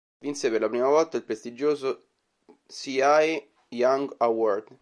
Vinse per la prima volta il prestigioso Cy Young Award.